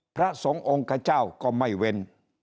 พระสงฆ์องค์กับเจ้าก็ไม่เว้น